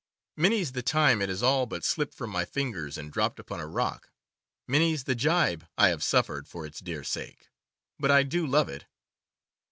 Many's the time it has all but slipped from my fingers and dropped upon a rock; many's the gibe I have suffered for its dear sake. But I do love it.